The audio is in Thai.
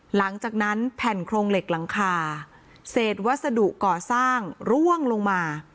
หลังจากนั้นแผ่นโครงเหล็กหลังคาเศษวัสดุก่อสร้างร่วงลงมา